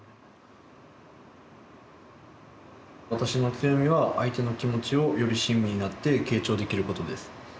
「私の強みは相手の気持ちをより親身になって傾聴できることです」。